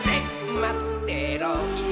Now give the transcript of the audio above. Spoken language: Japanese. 「まってろよ！」